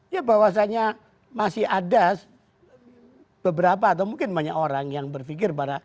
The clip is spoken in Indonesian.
ya bahwasannya masih ada beberapa atau mungkin banyak orang yang berpikir